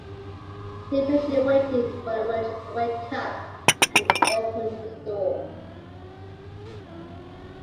He patiently waited for the merchant to wake up and open the store.